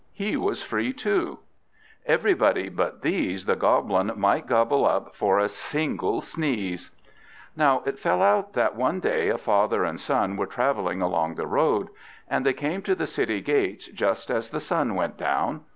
he was free too. Everybody but these the Goblin might gobble up for a single sneeze. Now it fell out that one day a father and son were travelling along the road, and they came to the city gates just as the sun went down.